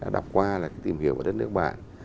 đọc qua là tìm hiểu ở đất nước bạn